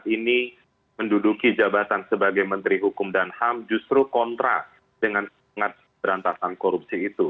ini menduduki jabatan sebagai menteri hukum dan ham justru kontra dengan semangat berantasan korupsi itu